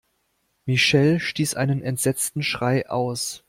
Michelle stieß einen entsetzten Schrei aus.